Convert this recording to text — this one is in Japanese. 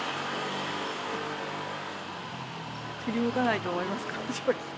振り向かないと思います。